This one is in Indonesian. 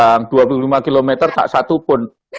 kan tadi aku udah bilang dua puluh lima km tak satu pun